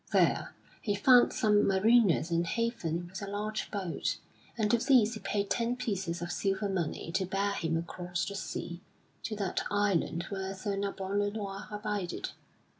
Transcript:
There he found some mariners in haven with a large boat, and to these he paid ten pieces of silver money to bear him across the sea to that island where Sir Nabon le Noir abided.